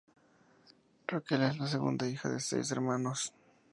Raquel es la segunda hija de seis hermanos.